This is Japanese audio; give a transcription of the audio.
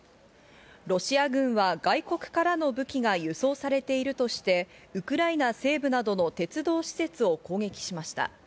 ロシア軍は外国からの武器が輸送されているとして、ウクライナ西部などの鉄道施設を攻撃しました。